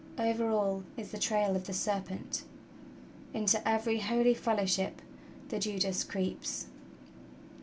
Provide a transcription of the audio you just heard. Over all is the trail of the serpent! Into every holy fellowship the Judas creeps!"